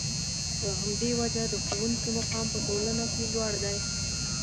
په همدې وجه د ښوونکي مقام په ټولنه کې لوړ دی.